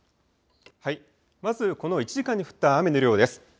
まずこの１時間に降った雨の量です。